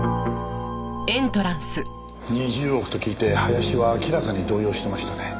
２０億と聞いて林は明らかに動揺してましたね。